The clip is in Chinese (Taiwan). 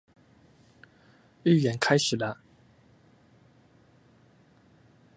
預演開始啦